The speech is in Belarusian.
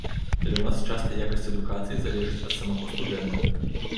Але ў нас часта якасць адукацыі залежыць ад самога студэнта.